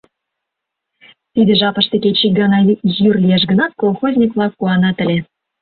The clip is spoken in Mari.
Тиде жапыште кеч ик гана йӱр лиеш гынат, колхозник-влак куанат ыле.